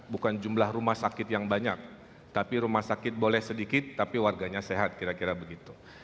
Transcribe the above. bukan jumlah rumah sakit yang banyak tapi rumah sakit boleh sedikit tapi warganya sehat kira kira begitu